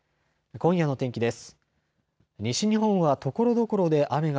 今夜の天気です。